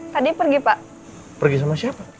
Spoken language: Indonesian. tadi pergi pak pergi sama siapa